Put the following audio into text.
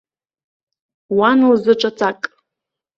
Уан лзы ҿаҵак.